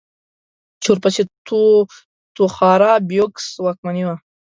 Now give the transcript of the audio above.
چې ورپسې توخارا يبگوس واکمني وکړه.